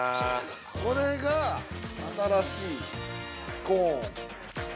◆これが新しいスコーン。